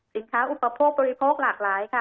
สินค้าอุปโภคบริโภคหลากหลายค่ะ